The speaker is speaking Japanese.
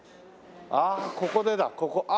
あここでだここ。